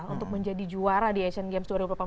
untuk menjadi juara di asian games dua ribu delapan belas